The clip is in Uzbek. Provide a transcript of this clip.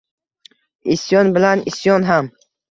Isyon bilan isyon ham.